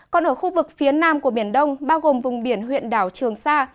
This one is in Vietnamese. còn ở khu vực phía nam của biển đông bao gồm vùng biển huyện đảo trường sa